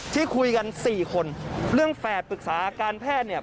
ที่คุยกัน๔คนเรื่องแฝดปรึกษาการแพทย์เนี่ย